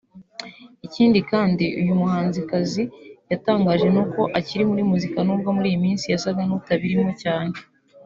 Ikindi kandi uyu muhanzikazi yatangaje ni uko akiri muri muzika nubwo muri iyi minsi yasaga n'utabirimo cyane